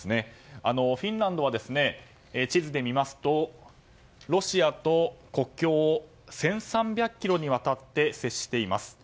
フィンランドは地図で見ますとロシアと国境を１３００ｋｍにわたって接しています。